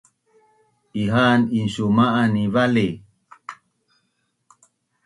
Iha’an insuma’an ni vali